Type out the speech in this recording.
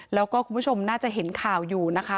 แล้วก็คุณผู้ชมน่าจะเห็นข่าวอยู่นะคะ